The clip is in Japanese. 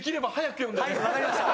分かりました。